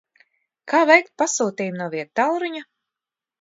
Kā veikt pasūtījumu no viedtālruņa?